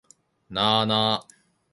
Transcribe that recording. なあなあ